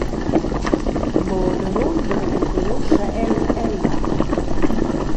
Mo danunder enconuscha el ella?